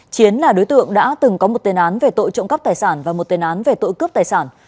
chiến là đối tượng đã từng có một tên án về tội trộm cắp tài sản và một tên án về tội cướp tài sản